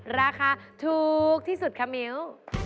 ราคาถูกที่สุดค่ะมิ้ว